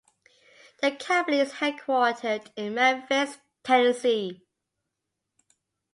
The company is headquartered in Memphis, Tennessee.